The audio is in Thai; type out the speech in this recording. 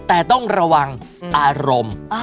แต่ต้องระวังอารมณ์